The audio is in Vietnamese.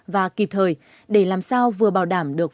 và kịp thời để làm sao vừa bảo đảm được